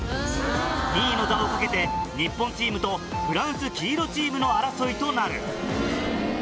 ２位の座を懸けて日本チームとフランス黄色チームの争いとなる。